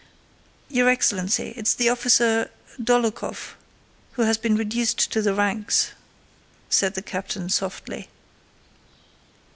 "Your excellency, it's the officer Dólokhov, who has been reduced to the ranks," said the captain softly.